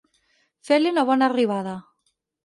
Fer-li una bona arribada.